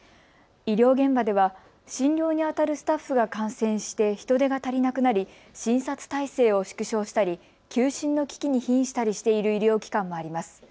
医療現場では診療にあたるスタッフが感染して人手が足りなくなり診察体制を縮小したり休診の危機にひんしたにしている医療機関もあります。